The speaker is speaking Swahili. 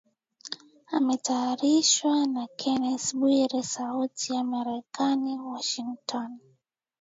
Imetayarishwa na Kennes Bwire sauti ya Amerika Washington